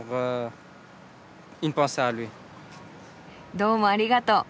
どうもありがとう。